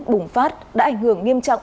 bùng phát đã ảnh hưởng nghiêm trọng